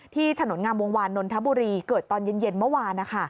ที่ถนนงามวงวานนทบุรีเกิดตอนเย็นเมื่อวาน